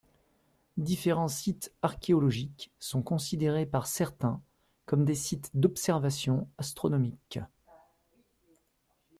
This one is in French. Différents sites archéologiques sont considérés par certains comme des sites d'observation astronomique.